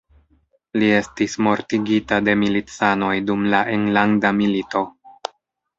Li estis mortigita de milicanoj dum la enlanda milito.